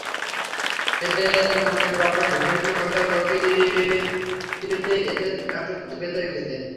এঁদের মনের গঠন ভিন্ন ভিন্ন হলেও রাশির ফিতে এঁদের একসূত্রে বেঁধে রেখেছে।